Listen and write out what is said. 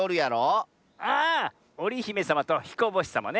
ああおりひめさまとひこぼしさまね。